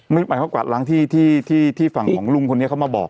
หมายความกวาดล้างที่ฝั่งของลุงคนนี้เขามาบอก